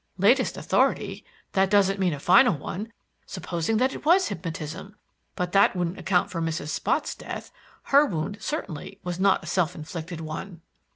"Latest authority. That doesn't mean a final one. Supposing that it was hypnotism! But that wouldn't account for Mrs. Spotts' death. Her wound certainly was not a self inflicted one."